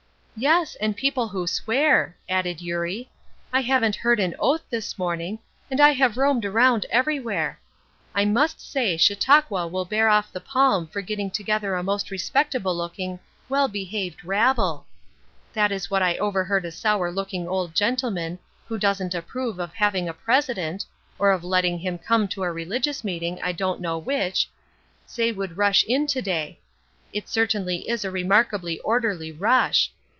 "Yes, and the people who swear," added Eurie. "I haven't heard an oath this morning, and I have roamed around everywhere. I must say Chautauqua will bear off the palm for getting together a most respectable looking, well behaved 'rabble!' That is what I overheard a sour looking old gentleman, who doesn't approve of having a president or of letting him come to a religious meeting, I don't know which say would rush in to day. It certainly is a remarkably orderly 'rush.'